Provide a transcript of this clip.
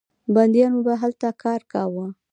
بندیانو به هلته کار کاوه.